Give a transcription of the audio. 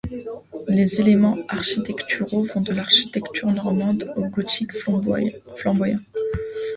Les éléments architecturaux vont de l'architecture normande au gothique flamboyant.